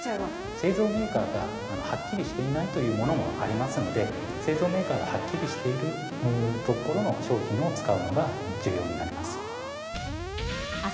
製造メーカーがはっきりしていないというものもありますので製造メーカーがはっきりしているところの商品を使うのが重要になります。